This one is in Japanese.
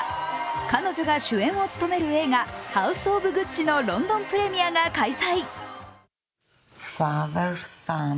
彼女が主演を務める映画「ＨＯＵＳＥＯＦＧＵＣＣＩ」のロンドンプレミアが開催。